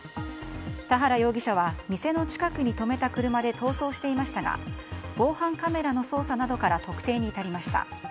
田原容疑者は店の近くに止めた車で逃走していましたが防犯カメラの捜査などから特定に至りました。